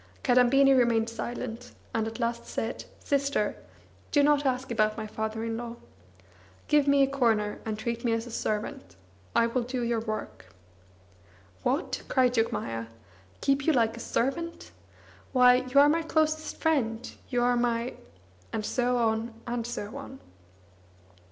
Kadambini remained silent, and at last said: "Sister, do not ask about my father in law. Give me a corner, and treat me as a servant: I will do your work." "What?" cried Jogmaya. "Keep you like a servant! Why, you are my closest friend, you are my " and so on and so on.